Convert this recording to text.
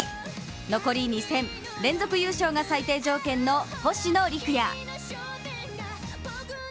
残り２戦、連続優勝が最低条件の星野陸也。